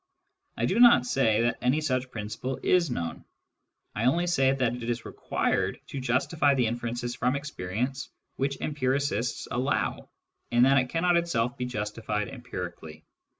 I do not say that any such principle is known : I only say that it is required to justify the inferences from experience which empiricists allow, and that it cannot itself be justified empirically.